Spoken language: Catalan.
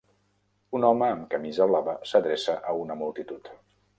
Un home amb camisa blava s'adreça a una multitud.